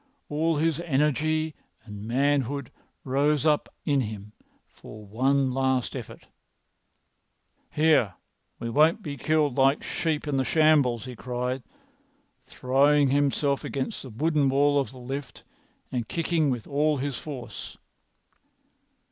All his energy and manhood rose up in him for one last effort. "Here, we won't be killed like sheep in the shambles!" he cried, throwing himself against the wooden wall of the lift and kicking with all his force.